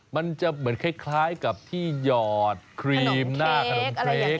มันจะเหมือนคล้ายกับที่หยอดครีมหน้าขนมเค้ก